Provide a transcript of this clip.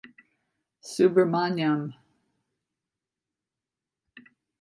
Subramanyam.